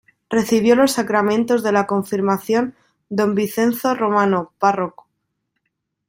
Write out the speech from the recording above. Recibió los sacramentos de la Confirmación Don Vincenzo Romano párroco.